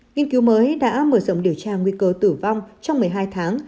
nghiên cứu mới đã mở rộng điều tra nguy cơ tử vong trong một mươi hai tháng